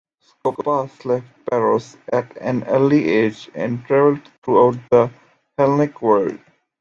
Skopas left Paros at an early age and travelled throughout the Hellenic world.